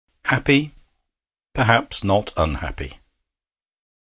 Happy? Perhaps not unhappy.